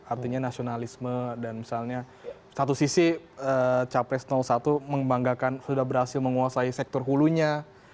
artinya nasionalisme dan misalnya satu sisi capres satu membanggakan sudah berhasil menguasai sektor hulunya